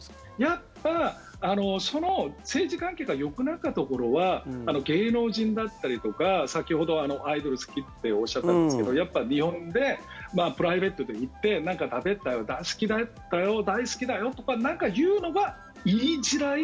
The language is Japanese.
やっぱ政治関係がよくなった頃は芸能人だったりとか先ほどアイドル好きっておっしゃったんですけど日本へプライベートで行って何か食べたよ、大好きだったよ大好きだよとか何か言うのが言いづらい。